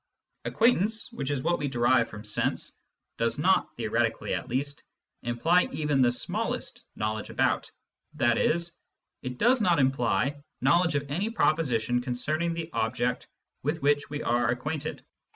Acquaintance, which is what we derive from sense, does not, theoretically at least, imply even the smallest " knowledge about," i.e. it does not imply knowledge of any proposition concern ing the object with which we are acquainted.